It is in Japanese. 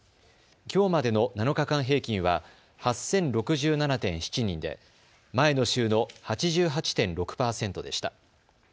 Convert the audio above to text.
きょうまでの７日間平均は８０６７．７人で前の週の８８．６％でした。